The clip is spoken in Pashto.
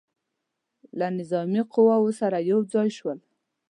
له نظامي قواوو سره یو ځای شول.